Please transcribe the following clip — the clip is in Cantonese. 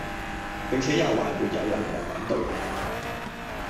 並且也還沒有人來反對，